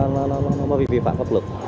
nói chung là nó bị vi phạm pháp luật